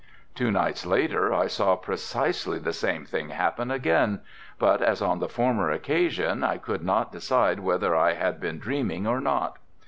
Two nights later I saw precisely the same thing happen again but as on the former occasion I could not decide whether I had been dreaming or not.